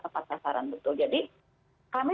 tepat sasaran betul jadi kami